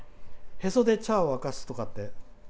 へそで茶を沸かすとかって。